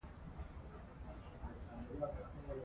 کله چې پوهنیز پلان روښانه وي، ګډوډي په زده کړو کې نه پاتې کېږي.